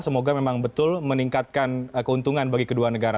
semoga memang betul meningkatkan keuntungan bagi kedua negara